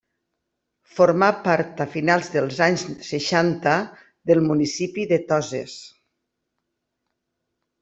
Formà part fins a finals dels anys seixanta del municipi de Toses.